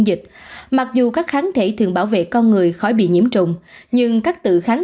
dịch mặc dù các kháng thể thường bảo vệ con người khỏi bị nhiễm trùng nhưng các tự kháng